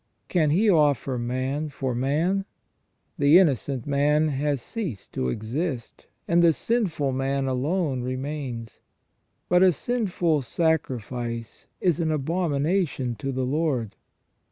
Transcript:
Can he offer man for man ? The innocent man has ceased to exist, and the sinful man alone remains. But a sinful sacrifice is an abomi nation to the Lord.